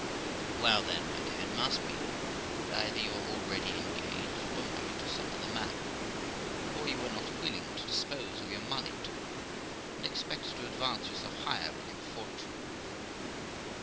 'Why then, my dear, it must be that either you are already engaged or married to some other man, or you are not willing to dispose of your money to me, and expect to advance yourself higher with your fortune.